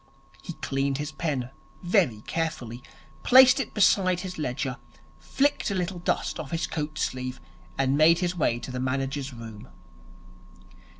He cleaned his pen very carefully, placed it beside his ledger, flicked a little dust off his coatsleeve, and made his way to the manager's room.